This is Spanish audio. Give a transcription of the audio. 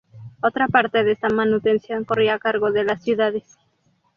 Otra parte de esta manutención corría a cargo de las ciudades.